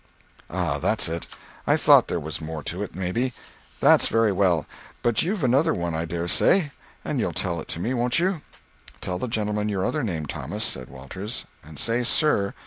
"Ah, that's it. I thought there was more to it, maybe. That's very well. But you've another one I daresay, and you'll tell it to me, won't you?" "Tell the gentleman your other name, Thomas," said Walters, "and say sir.